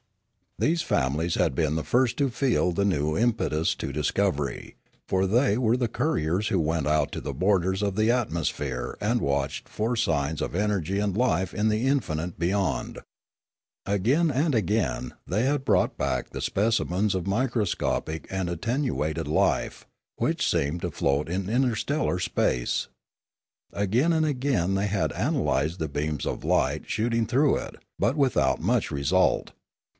These families had been the first to feel the new im petus to discovery, for they were the couriers who went out to the borders of the atmosphere and watched for signs of energy and life in the infinite beyond. Again and again, had they brought back specimens of microscopic and attenuated life, which seemed to float in interstellar space. Again and again had they ana lysed the beams of light shooting through it, but with out much result.